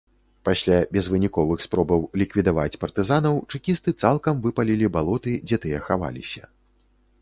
Пасля безвыніковых спробаў ліквідаваць партызанаў чэкісты цалкам выпалілі балоты, дзе тыя хаваліся.